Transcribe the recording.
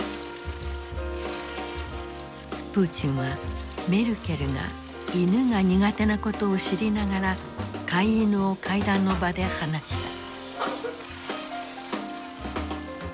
プーチンはメルケルが犬が苦手なことを知りながら飼い犬を会談の場で放した。